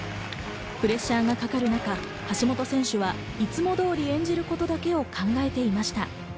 プレッシャーがかかる中、橋本選手はいつも通り演じることだけを考えていました。